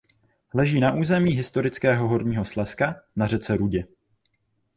Leží na území historického Horního Slezska na řece Rudě.